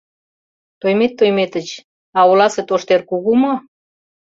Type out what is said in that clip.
Тоймет Тойметыч, а оласе тоштер кугу мо?